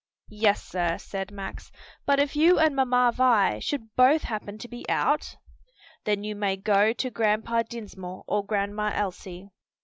"Yes, sir," said Max; "but if you and Mamma Vi should both happen to be out?" "Then you may go to Grandpa Dinsmore or Grandma Elsie."